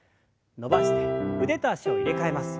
伸ばして腕と脚を入れ替えます。